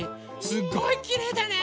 すごいきれいだね！